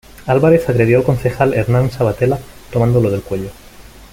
Álvarez agredió al concejal Hernán Sabbatella tomándolo del cuello.